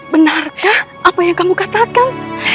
benarkah apa yang kamu katakan